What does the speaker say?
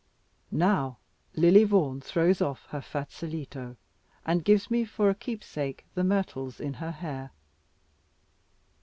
Now Lily Vaughan throws off her fazoletto, and gives me for a keepsake the myrtles in her hair.